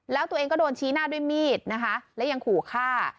แล้วตัวเองก็โดนชี้หน้าด้วยมีดนะคะและยังขู่ฆ่า